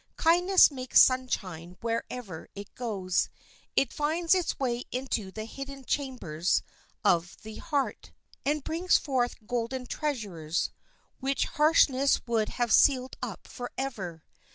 Kindness makes sunshine wherever it goes. It finds its way into the hidden chambers of the heart, and brings forth golden treasures, which harshness would have sealed up forever.